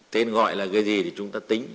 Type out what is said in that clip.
tên gọi là cái gì thì chúng ta tính